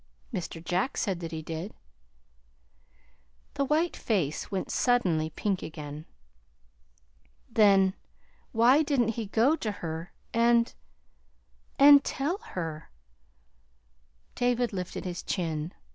"Mr. Jack said that he did." The white face went suddenly pink again. "Then, why didn't he go to her and and tell her?" David lifted his chin.